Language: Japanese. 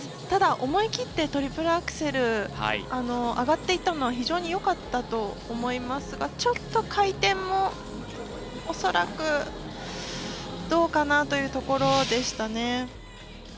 ただ、思い切ってトリプルアクセル上がっていったのは非常によかったと思いますがちょっと、回転も恐らくどうかなというところでしたね。